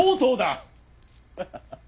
ハハハハ。